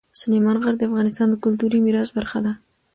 سلیمان غر د افغانستان د کلتوري میراث برخه ده.